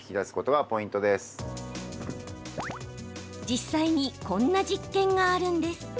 実際に、こんな実験があるんです。